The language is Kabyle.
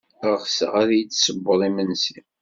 Ɣseɣ ad iyi-d-tessewwed imensi.